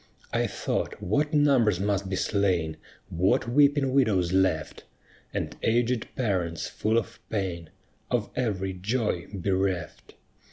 I thought what numbers must be slain, What weeping widows left! And aged parents full of pain, Of every joy bereft.